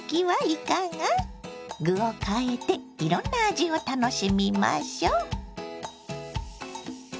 具を変えていろんな味を楽しみましょ。